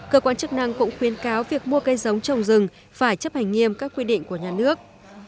cơ quan chức năng cũng khuyến cáo việc mua cây giống trồng rừng phải chấp hành nghiêm các quy định của nhà nước